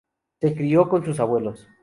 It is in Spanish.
Se crio con sus abuelos.